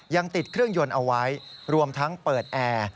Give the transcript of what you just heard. ยังติดเครื่องยนต์เอาไว้รวมทั้งเปิดแอร์